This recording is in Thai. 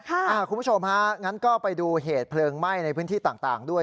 คุณผู้ชมฮะงั้นก็ไปดูเหตุเพลิงไหม้ในพื้นที่ต่างด้วย